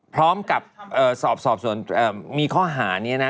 พร้อมกับสอบส่วนมีข้อหานี้นะ